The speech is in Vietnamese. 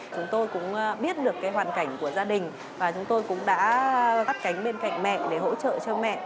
chúng tôi cũng biết được hoàn cảnh của gia đình và chúng tôi cũng đã gắt cánh bên cạnh mẹ để hỗ trợ cho mẹ